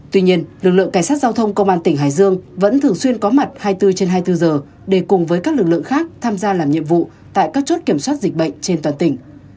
tuy nhiên lực lượng cảnh sát giao thông công an tỉnh hải dương vẫn thường xuyên có mặt hai mươi bốn trên hai mươi bốn giờ để cùng với các lực lượng khác tham gia làm nhiệm vụ tại các chốt kiểm soát dịch bệnh trên toàn tỉnh